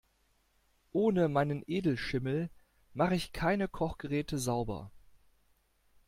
Ohne meinen Edelschimmel mach ich keine Kochgeräte sauber.